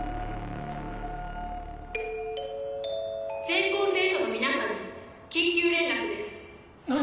全校生徒の皆さんに緊急連絡です。